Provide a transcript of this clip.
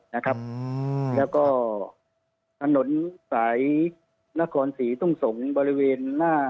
แล้วก็ถนนสายนครสีตุ้งสงก์บริเวณ